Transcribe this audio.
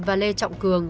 và lê trọng cường